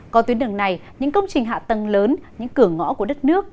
có tuyến đường này những công trình hạ tầng lớn những cửa ngõ của đất nước